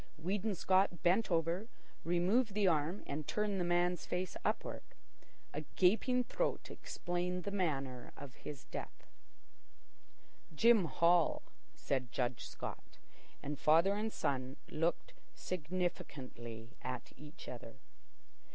Weedon Scott bent over, removed the arm and turned the man's face upward. A gaping throat explained the manner of his death. "Jim Hall," said Judge Scott, and father and son looked significantly at each other.